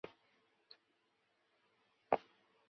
碧螺虾仁是中国苏州苏帮菜的著名传统菜式。